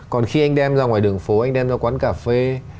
còn khi anh đem ra ngoài đường phố anh đem ra quán cà phê